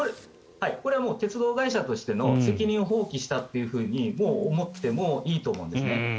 これはもう鉄道会社としての責任を放棄したというふうにもう思ってもいいと思うんですね。